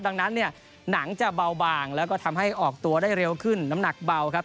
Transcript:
ดังนั้นเนี่ยหนังจะเบาบางแล้วก็ทำให้ออกตัวได้เร็วขึ้นน้ำหนักเบาครับ